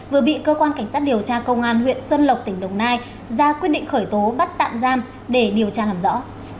vừa bị cơ quan cảnh sát điều tra công an huyện xuân lộc tỉnh đồng nai ra quyết định khởi tố bắt tạm giam để điều tra làm rõ